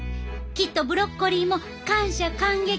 きっとブロッコリーも感謝感激